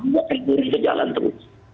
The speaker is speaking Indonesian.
mungkin ini kejalan terus